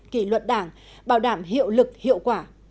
kỷ luật đảng bảo đảm hiệu lực hiệu quả